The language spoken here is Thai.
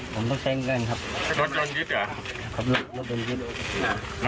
ผมต้องใช้เงินค่ะลดยนต์ยึดเหรอครับลดยนต์ยึด